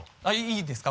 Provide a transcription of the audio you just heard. いいですか？